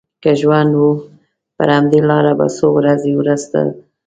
که ژوند و پر همدې لاره به څو ورځې وروسته ځم.